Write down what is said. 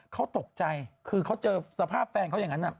เขาตกใจคือเขาเจอสภาพแฟนเขาอย่างนั้น